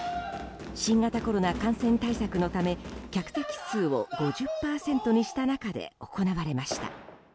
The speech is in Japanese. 新型コロナ感染対策のため客席数を５０％にした中で行われました。